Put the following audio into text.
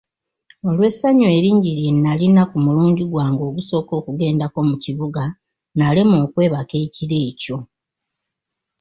Olw'essanyu eringi lye nalina ku mulundi gwange ogusooka okugendako mu kibuga, nalemwa okwebaka ekiro ekyo.